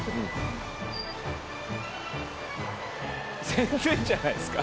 全然じゃないですか。